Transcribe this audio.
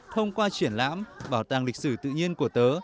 thông qua triển lãm bảo tàng lịch sử tự nhiên của tớ